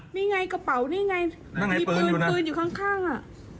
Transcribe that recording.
นี่ไงกระเป๋านี่ไงมีปืนปืนอยู่ข้างอ่ะ